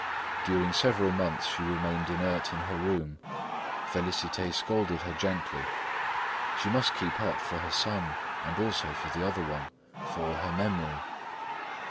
During several months she remained inert in her room. Félicité scolded her gently; she must keep up for her son and also for the other one, for "her memory."